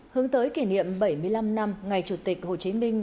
hướng tới kỷ niệm bảy mươi năm năm ngày chủ tịch hồ chí minh